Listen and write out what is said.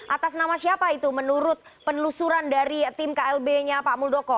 atas nama siapa itu menurut penelusuran dari tim klb nya pak muldoko